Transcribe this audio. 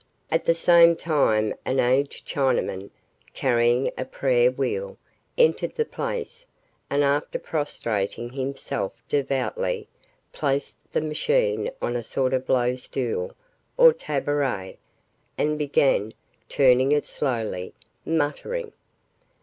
At the same time an aged Chinaman carrying a prayer wheel entered the place and after prostrating himself devoutedly placed the machine on a sort of low stool or tabourette and began turning it slowly, muttering.